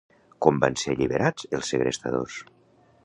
Com van ser alliberats els segrestadors?